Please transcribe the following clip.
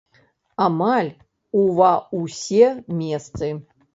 Амаль ува ўсе месцы!